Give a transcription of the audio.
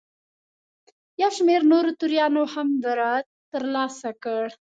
یو شمېر نورو توریانو هم برائت ترلاسه کړ.